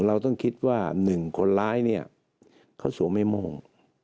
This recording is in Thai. เราต้องคิดว่า๑คนร้ายเขาสวนไม่มอง